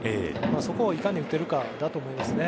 そこをいかに打てるかだと思いますね。